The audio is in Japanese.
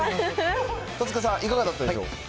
戸塚さん、いかがだったでしょう？